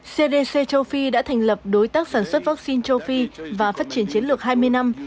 cdc châu phi đã thành lập đối tác sản xuất vaccine châu phi và phát triển chiến lược hai mươi năm